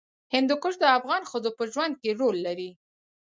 هندوکش د افغان ښځو په ژوند کې رول لري.